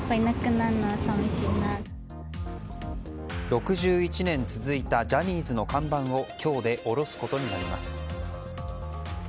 ６１年続いたジャニーズの看板を今日で下ろすことになります。